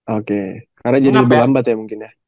oke karena jadi lebih lambat ya mungkin ya